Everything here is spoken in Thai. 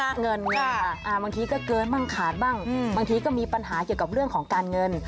เงินบางทีก็เกินบ้างขาดบ้างบางทีก็มีปัญหาเกี่ยวกับเรื่องของการเงิน